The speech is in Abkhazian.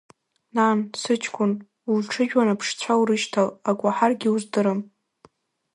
Нан, сыҷкәын, улҽыжәлан аԥшцәа урышьҭал, ак уаҳаргьы уздырам!